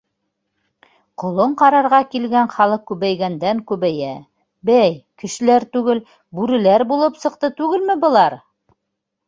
Ҡолон ҡарарға килгән халыҡ күбәйгәндән-күбәйә, бәй, кешеләр түгел, бүреләр булып сыҡты түгелме былар?!